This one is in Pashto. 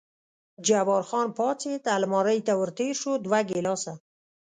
جبار خان پاڅېد، المارۍ ته ور تېر شو، دوه ګیلاسه.